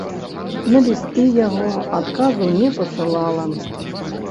На лісты яго адказу не пасылала.